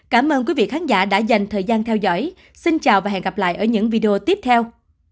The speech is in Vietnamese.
cảm ơn quý vị khán giả đã dành thời gian theo dõi xin chào và hẹn gặp lại ở những video tiếp theo